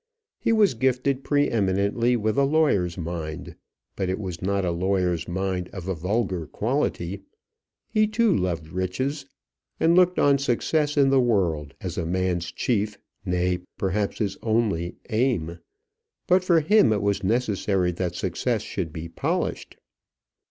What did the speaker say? He was gifted pre eminently with a lawyer's mind, but it was not a lawyer's mind of a vulgar quality. He, too, loved riches, and looked on success in the world as a man's chief, nay, perhaps his only aim; but for him it was necessary that success should be polished.